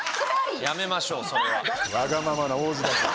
やめましょうそれは。